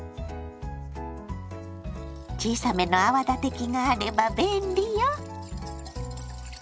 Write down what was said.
小さめの泡立て器があれば便利よ。